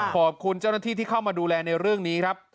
ขอบคุณเจ้าหน้าที่ที่เข้ามาดูแลในเรื่องนี้ครับ